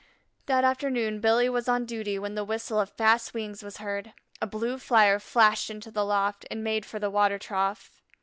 That afternoon Billy was on duty when the whistle of fast wings was heard; a blue Flyer flashed into the loft and made for the water trough.